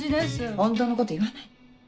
ホントのこと言わない。